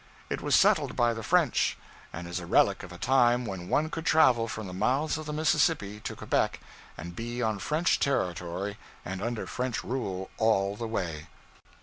It was settled by the French, and is a relic of a time when one could travel from the mouths of the Mississippi to Quebec and be on French territory and under French rule all the way.